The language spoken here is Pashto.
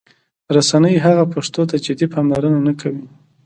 رسنۍ هم پښتو ته جدي پاملرنه نه کوي.